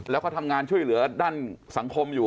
แล้วก็ทำงานช่วยเหลือด้านสังคมอยู่